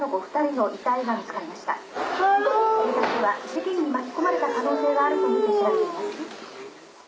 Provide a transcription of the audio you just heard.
事件に巻き込まれた可能性があるとみて調べています。